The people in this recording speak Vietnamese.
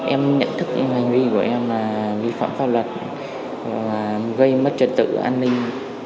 em nhận thức những hành vi của em là vi phạm pháp luật và gây mất trật tự an ninh